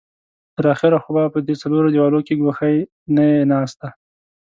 تر اخره خو به په دې څلورو دېوالو کې ګوښې نه يې ناسته.